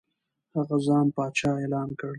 هغه ځان پادشاه اعلان کړ.